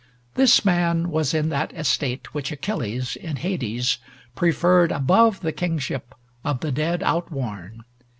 This man was in that estate which Achilles, in Hades, preferred above the kingship of the dead outworn.